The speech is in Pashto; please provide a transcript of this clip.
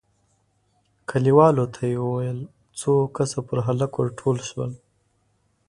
کليوالو ته يې وويل، څو کسه پر هلک ور ټول شول،